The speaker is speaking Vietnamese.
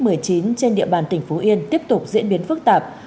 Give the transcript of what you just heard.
dịch bệnh covid một mươi chín trên địa bàn tỉnh phú yên tiếp tục diễn biến phức tạp